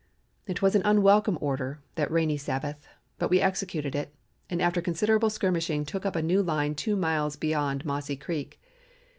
It was an unwelcome order that rainy Sabbath, but we executed it, and after considerable skirmishing took up a new line two miles beyond Mossy Creek.